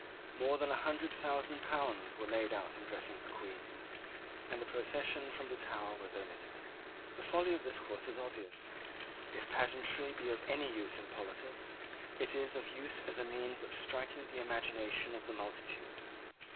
More than a hundred thousand pounds were laid out in dressing the Queen, and the procession from the Tower was omitted. The folly of this course is obvious. If pageantry be of any use in politics, it is of use as a means of striking the imagination of the multitude.